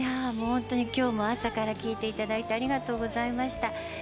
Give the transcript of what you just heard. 本当に今日も朝から聴いていただいてありがとうございました。